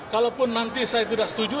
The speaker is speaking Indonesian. kalaupun nanti saya tidak setuju